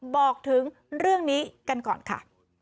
บอกถึงเรื่องนี้กันก่อนค่ะ